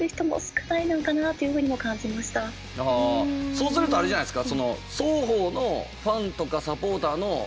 そうするとあれじゃないですか？